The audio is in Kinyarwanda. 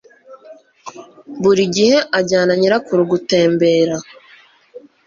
Buri gihe ajyana nyirakuru gutembera.